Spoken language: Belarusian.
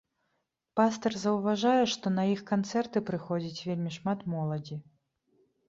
Пастар заўважае, што на іх канцэрты прыходзіць вельмі шмат моладзі.